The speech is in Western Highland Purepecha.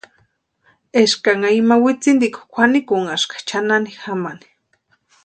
Éskanha ima witsintikwa kwʼanikunhaska chʼanani jamani.